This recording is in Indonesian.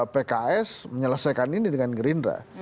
pks menyelesaikan ini dengan gerindra